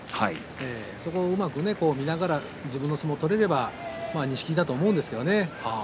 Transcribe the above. そこをうまく見ながら自分の相撲を取ることができれば錦木だと思うんですけれど。